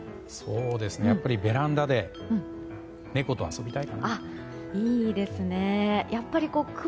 やっぱりベランダで猫と遊びたいかな。